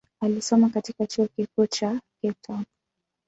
Alisoma katika chuo kikuu cha Cape Town.